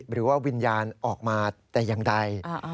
หรือว่าวิญญาณออกมาแต่อย่างใด